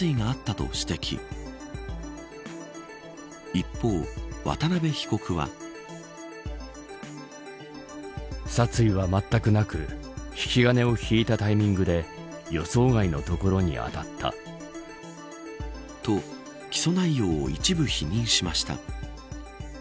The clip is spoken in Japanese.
一方、渡辺被告は。と起訴内容を一部否認しました。